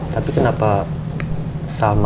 tapi kenapa salma